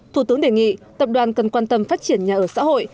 thủ tướng đề nghị tập đoàn cần quan tâm phát triển nhà ở xã hội